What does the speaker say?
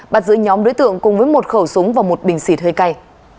bắt giữ nhóm đối tượng cùng với một khẩu súng và một bình xịt hơi cay